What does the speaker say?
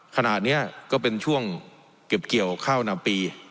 ขณะนี้ก็เป็นช่วงเก็บเกี่ยวข้าวนาปี